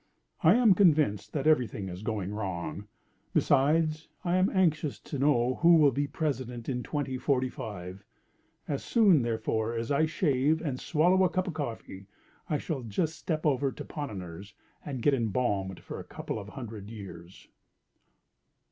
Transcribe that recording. I am convinced that every thing is going wrong. Besides, I am anxious to know who will be President in 2045. As soon, therefore, as I shave and swallow a cup of coffee, I shall just step over to Ponnonner's and get embalmed for a couple of hundred years.